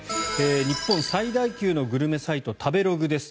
日本最大級のグルメサイト食べログです。